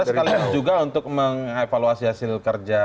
kita sekalian juga untuk mengevaluasi hasil kerja